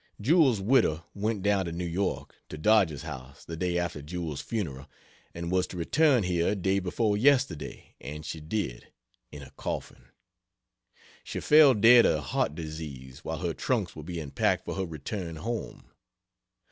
Jewell's widow went down to New York, to Dodge's house, the day after Jewell's funeral, and was to return here day before yesterday, and she did in a coffin. She fell dead, of heart disease, while her trunks were being packed for her return home.